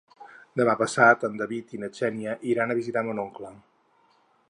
Demà passat en David i na Xènia iran a visitar mon oncle.